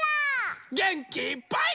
げんきいっぱい。